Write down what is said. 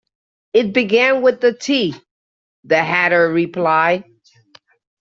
‘It began with the tea,’ the Hatter replied.